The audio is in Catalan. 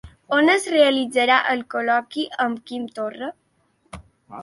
On es realitzarà el col·loqui amb Quim Torra?